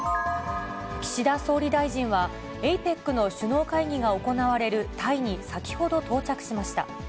岸田総理大臣は、ＡＰＥＣの首脳会議が行われるタイに先ほど到着しました。